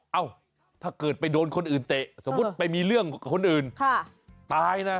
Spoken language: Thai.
เอ้าถ้าเกิดไปโดนคนอื่นเตะสมมุติไปมีเรื่องกับคนอื่นตายนะ